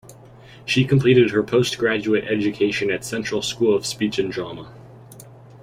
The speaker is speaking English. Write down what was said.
She completed her post-graduate education at Central School of Speech and Drama.